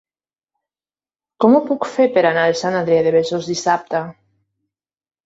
Com ho puc fer per anar a Sant Adrià de Besòs dissabte?